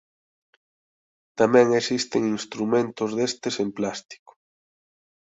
Tamén existen instrumentos destes en plástico.